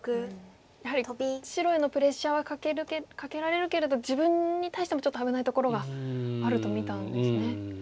やはり白へのプレッシャーはかけられるけれど自分に対してもちょっと危ないところがあると見たんですね。